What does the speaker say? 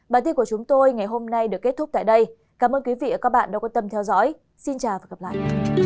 bản tin của chúng tôi ngày hôm nay được kết thúc tại đây cảm ơn quý vị đã quan tâm theo dõi xin chào và hẹn gặp lại